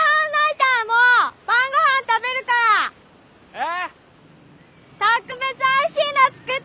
えっ？